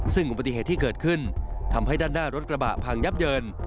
ซึ่งอุบัติเหตุที่เกิดขึ้นทำให้ด้านหน้ารถกระบะพังยับเยิน